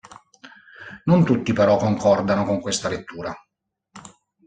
Non tutti però concordano con questa lettura.